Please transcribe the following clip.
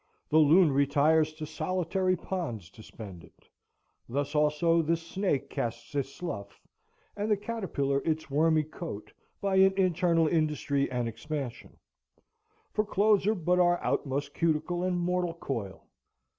The loon retires to solitary ponds to spend it. Thus also the snake casts its slough, and the caterpillar its wormy coat, by an internal industry and expansion; for clothes are but our outmost cuticle and mortal coil.